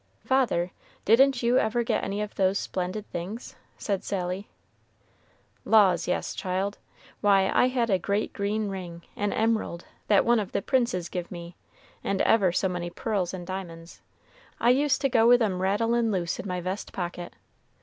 "Father, didn't you ever get any of those splendid things?" said Sally. "Laws, yes, child. Why, I had a great green ring, an emerald, that one of the princes giv' me, and ever so many pearls and diamonds. I used to go with 'em rattlin' loose in my vest pocket.